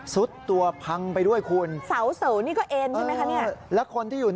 ซุดตัวพังไปด้วยคุณ